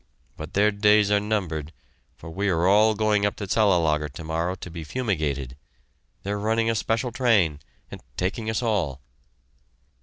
But their days are numbered, for we are all going up to Cellelager to morrow to be fumigated. They're running a special train, and taking us all."